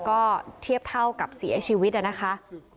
ก็เทียบเท่ากับเสียชีวิตนะคะ